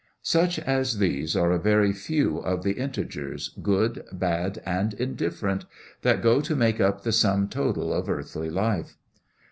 Such as these are a very few of the integers, good, bad, and indifferent, that go to make up the sum total of earthly life.